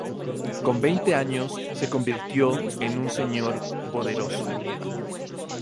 Con veinte años se convirtió en un señor poderoso.